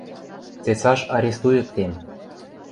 – Цецаш арестуйыктем...